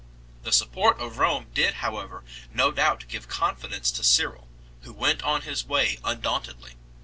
The support of Rome did however no doubt give confidence to Cyril, who went on his way undaunted ly.